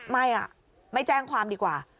ไม่ไม่แจ้งความดีกว่า